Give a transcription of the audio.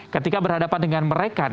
ketika berhadapan dengan mereka